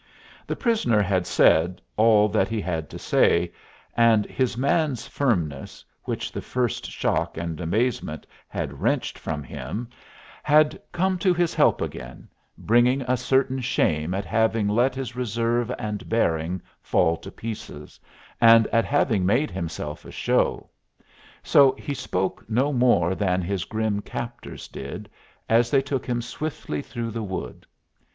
The prisoner had said all that he had to say, and his man's firmness, which the first shock and amazement had wrenched from him, had come to his help again, bringing a certain shame at having let his reserve and bearing fall to pieces, and at having made himself a show; so he spoke no more than his grim captors did, as they took him swiftly through the wood.